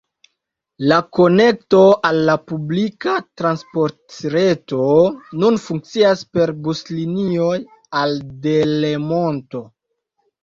La konekto al la publika transportreto nun funkcias per buslinioj al Delemonto.